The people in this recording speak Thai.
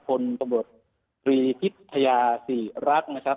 คนตำรวจฤพฤพยาศิรักษ์นะครับ